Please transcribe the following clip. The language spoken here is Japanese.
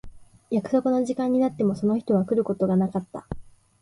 約束の時間になってもその人は来ることがなかった。